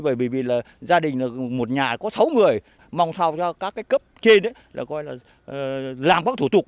bởi vì gia đình một nhà có sáu người mong sao cho các cấp trên làm các thủ tục